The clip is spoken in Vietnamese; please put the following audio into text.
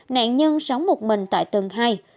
nạn nhân sống một mình tại tầng hai